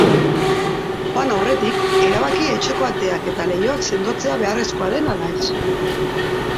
Joan aurretik, erabaki etxeko ateak eta leihoak sendotzea beharrezkoa den ala ez.